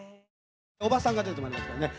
おばさんが出てまいりましたよね。